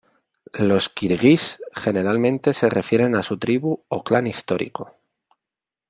Los kirguís generalmente se refieren a su tribu o clan histórico.